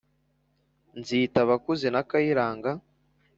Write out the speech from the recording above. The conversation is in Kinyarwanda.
nzitabakuze na kayiranga